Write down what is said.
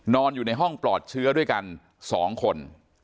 นอนอยู่ในห้องปลอดเชื้อด้วยกัน๒คน